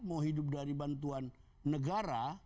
mau hidup dari bantuan negara